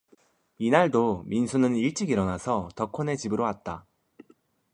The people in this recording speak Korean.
이날도 민수는 일찍 일어나서 덕호 네 집으로 왔다.